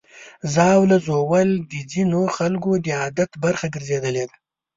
ژاوله ژوول د ځینو خلکو د عادت برخه ګرځېدلې ده.